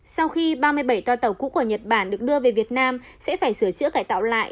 sau khi ba mươi bảy toa tàu cũ của nhật bản được đưa về việt nam sẽ phải sửa chữa cải tạo lại